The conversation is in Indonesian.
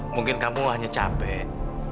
mungkin kamu hanya capek